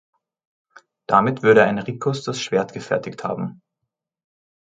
Damit würde ein Riccus das Schwert gefertigt haben.